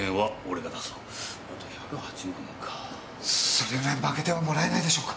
それぐらいまけてはもらえないでしょうか？